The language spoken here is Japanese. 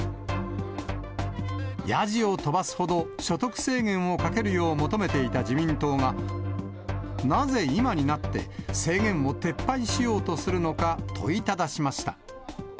やじを飛ばすほど、所得制限をかけるよう求めていた自民党が、なぜ今になって、制限を撤廃しようとするのか、問いただしました。